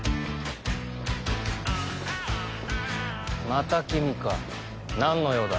また君か何の用だ